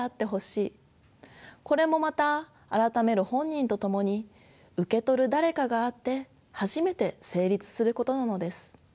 これもまた改める本人と共に受け取る誰かがあって初めて成立することなのです。